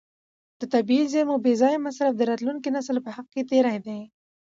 د طبیعي زیرمو بې ځایه مصرف د راتلونکي نسل په حق تېری دی.